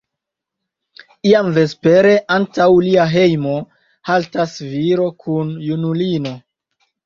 Iam vespere, antaŭ lia hejmo haltas viro kun junulino.